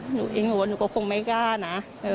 หนูก็คงไม่กล้านะ